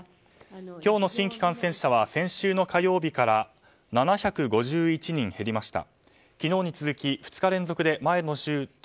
今日の新規感染者は先週の火曜日から７５１人減りました。